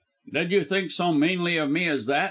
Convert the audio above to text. "Did you think so meanly of me as that?"